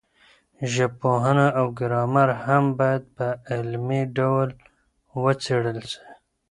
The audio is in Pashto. ژبپوهنه او ګرامر هم باید په علمي ډول وڅېړل سي.